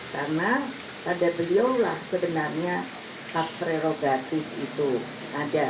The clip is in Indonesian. karena pada beliau lah sebenarnya hak prerogatif itu ada